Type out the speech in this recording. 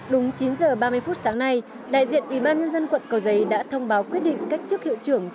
đúng chín giờ ba mươi phút sáng nay đại diện ủy ban nhân dân quận cầu giấy đã thông báo quyết định cách chức hiệu trưởng